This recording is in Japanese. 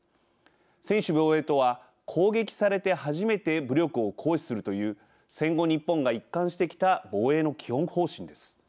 専守防衛とは攻撃されて初めて武力を行使するという戦後日本が一貫してきた防衛の基本方針です。